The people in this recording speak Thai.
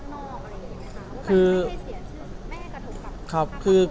ไม่ให้เสียชื่อไม่ให้กระทบกับทางโรงเรียน